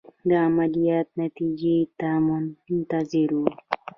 د عملیات نتیجې ته منتظر وو.